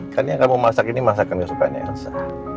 kan yang kamu masakin ini masakan kesukaannya elsa